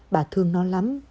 bà thương nó lắm